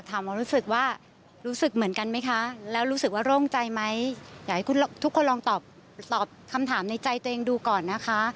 ทุกคนลองตอบคำถามในใจตัวเองดูก่อนนะคะ